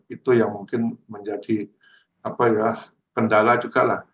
itu yang mungkin menjadi kendala juga lah